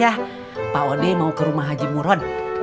yaudah paudi mau ke rumah haji muron